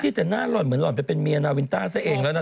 แต่หน้าหล่อนเหมือนหล่อนไปเป็นเมียนาวินต้าซะเองแล้วนะ